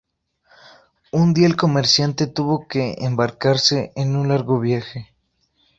Un día el comerciante tuvo que embarcarse en un largo viaje.